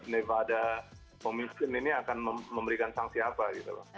nevada commission ini akan memberikan sanksi apa gitu loh